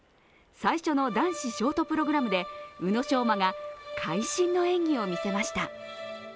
最初の男子ショートプログラムで宇野昌磨が会心の演技を見せました。